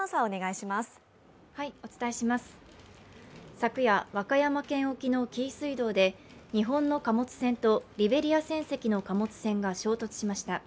昨夜、和歌山県沖の紀伊水道で日本の貨物船とリベリア船籍の貨物船が衝突しました。